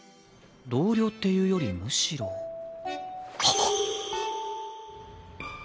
同僚っていうよりむしろはっ！